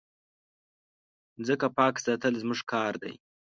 مځکه پاک ساتل زموږ کار دی.